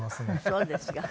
そうですか。